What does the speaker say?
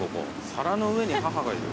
「皿の上に母がいる」？